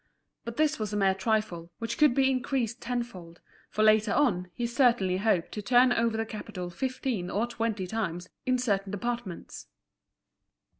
But this was a mere trifle, which could be increased tenfold, for later on he certainly hoped to turn over the capital fifteen or twenty times in certain departments.